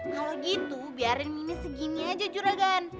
kalau gitu biarin mini segini aja juragan